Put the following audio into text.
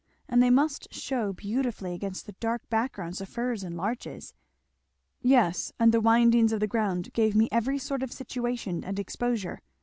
And they must shew beautifully against that dark background of firs and larches!" "Yes and the windings of the ground gave me every sort of situation and exposure.